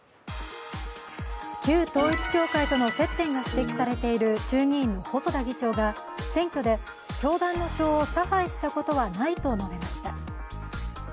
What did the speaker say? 旧統一教会との接点が指摘されている衆議院の細田議長が選挙で教団の票を差配したことはないと述べました。